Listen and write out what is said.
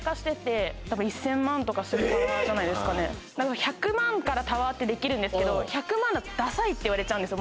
１００万からタワーってできるんですけどって言われちゃうんですよ